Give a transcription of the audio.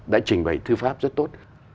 đã trình bày thư pháp rất tốt